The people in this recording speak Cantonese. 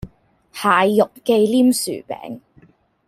蟹肉忌廉薯餅